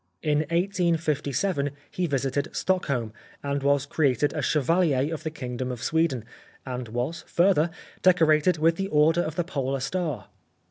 In 1857 he visited Stockholm, and was created a Chevalier of the Kingdom of Sweden, and was, further, decorated with the Order of the Polar Star.